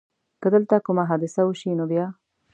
که دلته کومه حادثه وشي نو بیا؟